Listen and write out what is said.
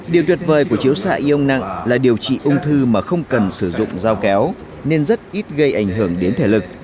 điều tuyệt vời của chiếu xạ ion nặng là điều trị ung thư mà không cần sử dụng dao kéo nên rất ít gây ảnh hưởng đến thể lực